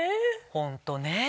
ホントねぇ。